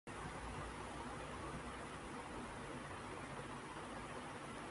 T V کی سب سے سیکسی اداکارہ نے ایک مرتبہ پھر شیئر کی بولڈ بکنی فوٹوز ، انٹرنیٹ پر مچا ہنگامہ